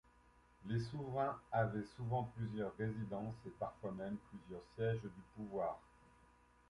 Les souverains avaient souvent plusieurs résidences et parfois même plusieurs sièges du pouvoir.